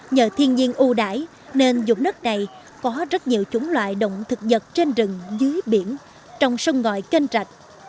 nhờ thiên nhiên ưu đải nên dùng đất này có rất nhiều chủng loại động thực vật trên rừng dưới biển trong sông ngòi kênh rạch